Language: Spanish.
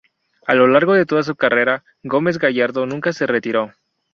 A lo largo de toda su carrera, Gómez Gallardo nunca se retiró.